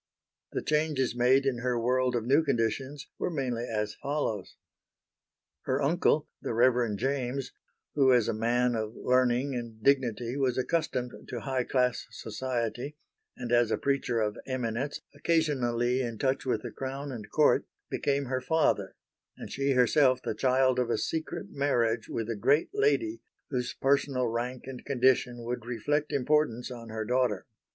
The changes made in her world of new conditions were mainly as follows: Her uncle, the Reverend James, who as a man of learning and dignity was accustomed to high class society, and as a preacher of eminence occasionally in touch with Crown and Court, became her father; and she herself the child of a secret marriage with a great lady whose personal rank and condition would reflect importance on her daughter.